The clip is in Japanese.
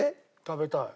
食べたい。